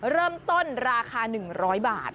เริ่มต้นราคา๑๐๐บาท